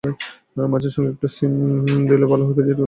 মাছের সঙ্গে একটু সিম দিলে ভালো হয়-ভেজিটেবল একেবারেই খাওয়া হচ্ছে না।